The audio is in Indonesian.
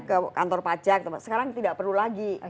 ke kantor pajak sekarang tidak perlu lagi